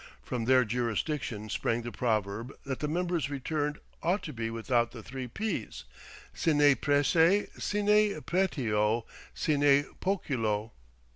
From their jurisdiction sprang the proverb that the members returned ought to be without the three P's sine Prece, sine Pretio, sine Poculo.